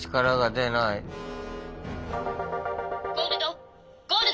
「ゴールドゴールド！」。